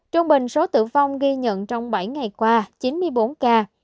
trung bình số tử vong ghi nhận trong bảy ngày qua chín mươi bốn ca